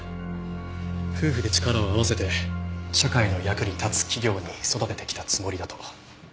夫婦で力を合わせて社会の役に立つ企業に育ててきたつもりだと。